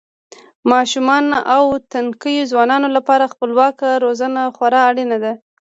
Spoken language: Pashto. ماشومانو او تنکیو ځوانانو لپاره خپلواکه روزنه خورا اړینه ده.